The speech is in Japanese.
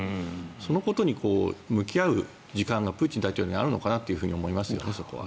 そのことに向き合う時間がプーチン大統領にあるのかなと思いますよね、そこは。